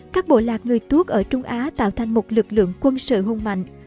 các bộ lạc người tuốt ở trung á tạo thành một lực lượng quân sự hùng mạnh